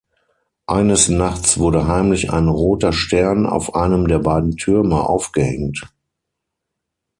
Eines nachts wurde heimlich ein roter Stern auf einem der beiden Türme aufgehängt.